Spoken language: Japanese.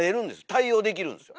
対応できるんですよ。